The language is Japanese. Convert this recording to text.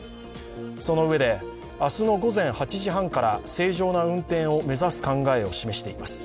そのうえで、明日の午前８時半から正常な運転を目指す考えを示しています。